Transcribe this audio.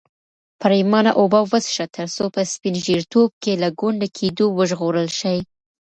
پرېمانه اوبه وڅښه ترڅو په سپین ږیرتوب کې له ګونډه کېدو وژغورل شې.